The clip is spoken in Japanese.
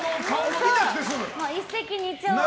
一石二鳥。